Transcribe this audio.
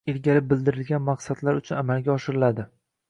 ilgari bildirilgan maqsadlar uchun amalga oshiriladi.